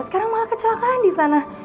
sekarang malah kecelakaan disana